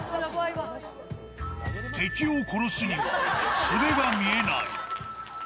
敵を殺すには術が見えない。